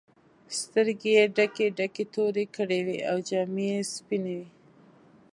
سترګې یې ډکې ډکې تورې کړې وې او جامې یې سپینې وې.